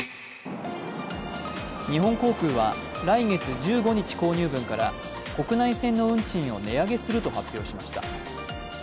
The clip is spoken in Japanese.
日本航空は来月１５日購入分から国内線の運賃を値上げすると発表しました。